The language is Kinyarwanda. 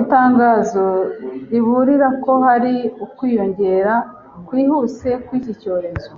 itangazo riburira ko hari ukwiyongera kwihuse kw'iki cyorezo